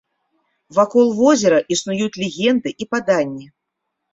Вакол возера існуюць легенды і паданні.